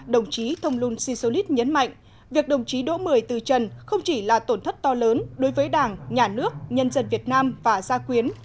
đồng chí thông luân si su lít nhấn mạnh việc đồng chí đỗ bười tư trần không chỉ là tổn thất to lớn đối với đảng nhà nước nhân dân việt nam và gia quyến